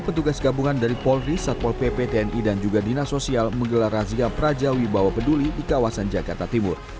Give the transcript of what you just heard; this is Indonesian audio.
petugas gabungan dari polri satpol pp tni dan juga dinasosial menggelar razia prajawi bawapeduli di kawasan jakarta timur